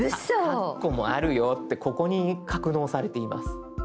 カッコもあるよってここに格納されています。